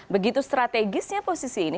begitu strategisnya posisi ini